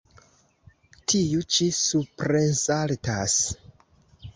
Tiu ĉi suprensaltas.